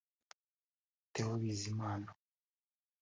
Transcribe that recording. Theo Bizimana